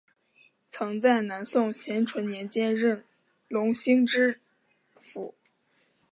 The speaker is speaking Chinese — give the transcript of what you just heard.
曾在南宋咸淳年间任隆兴知府。